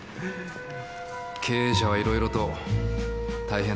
経営者はいろいろと大変なんですよ。